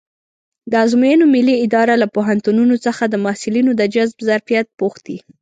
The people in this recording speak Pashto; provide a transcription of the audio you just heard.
د ازموینو ملي اداره له پوهنتونونو څخه د محصلینو د جذب ظرفیت پوښتي.